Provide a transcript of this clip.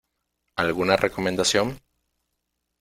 ¿Alguna recomendación?